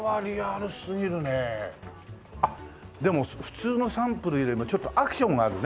でも普通のサンプルよりもちょっとアクションがあるね。